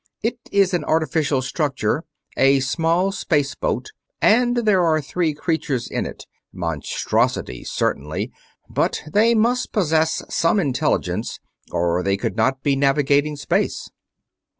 It is an artificial structure, a small space boat, and there are three creatures in it monstrosities certainly, but they must possess some intelligence or they could not be navigating space."